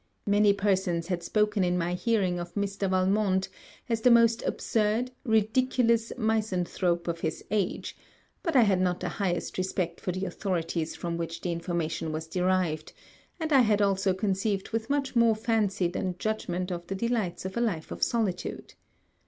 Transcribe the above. Many persons had spoken in my hearing of Mr. Valmont as the most absurd ridiculous misanthrope of his age; but I had not the highest respect for the authorities from which the information was derived, and I had also conceived with much more fancy than judgment of the delights of a life of solitude.